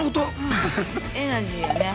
エナジーよね。